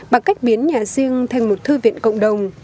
bằng cách biến nhà riêng thành một thư viện cộng đồng